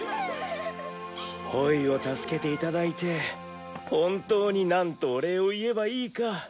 ホイを助けていただいて本当になんとお礼を言えばいいか。